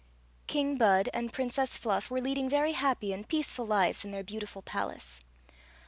King Bud and Princess Fluff were leading very happy and peaceful lives in their beautiful palace.